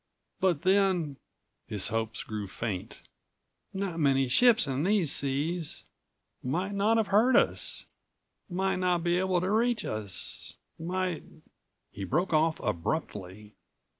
But then," his hopes grew faint, "not many ships in these seas. Might not have heard us. Might not be able to reach us. Might—" He broke off abruptly.